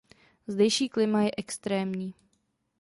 Zdejší klima je extrémní.